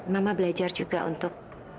mama belajar juga untuk